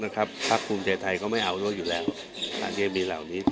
พรรคภูมิเศรษฐ์ไทยก็ไม่เอาโน้นอยู่แล้วทางเยเบีเหล่านี้